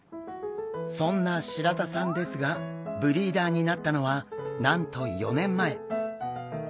そんな白田さんですがブリーダーになったのはなんと４年前。